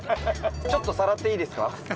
ちょっとさらっていいですか？